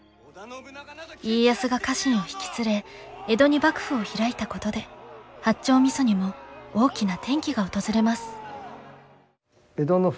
家康が家臣を引き連れ江戸に幕府を開いたことで八丁味噌にも大きな転機が訪れます。